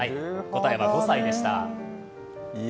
答えは５歳でした。